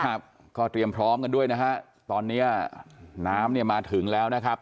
ครับก็เตรียมพร้อมกันด้วยนะฮะตอนเนี้ยน้ำเนี่ยมาถึงแล้วนะครับ